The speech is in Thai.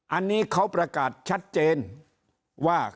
อันนี้เขาประกาศชัดเจนว่า